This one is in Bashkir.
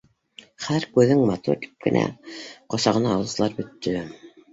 Хәҙер, күҙең матур, тип кенә ҡосағына алыусылар бөттө